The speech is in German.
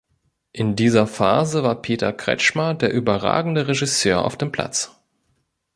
In dieser Phase war Peter Kretzschmar der überragende Regisseur auf dem Platz.